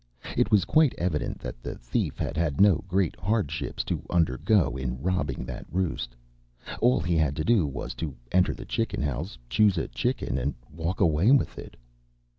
It was quite evident that the thief had had no great hardships to undergo in robbing that roost. All he had to do was to enter the chicken house, choose a chicken, and walk away with it.